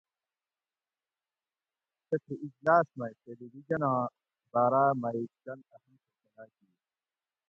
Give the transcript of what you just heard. تتھی اجلاس مئی ٹیلی ویژناں باراۤ مئی چند اہم فیصلاۤ کیر